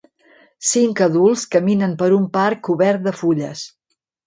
Cinc adults caminen per un parc cobert de fulles.